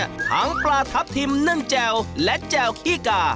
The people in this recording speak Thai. ทั้งปลาทับทิมนึ่งแจ่วและแจ่วขี้กา